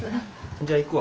じゃあ行くわ。